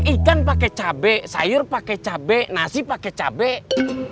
ikan pakai cabai sayur pakai cabai nasi pakai cabai